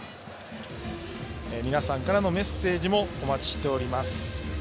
皆さんからのメッセージもお待ちしております。